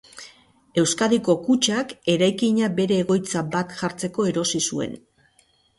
Euskadiko Kutxak eraikina bere egoitza bat jartzeko erosi zuen.